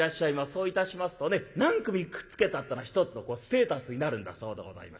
そういたしますとね何組くっつけたってのは一つのステータスになるんだそうでございまして。